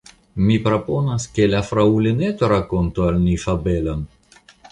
Mi proponas ke la Fraŭlineto rakontu al ni fabelon?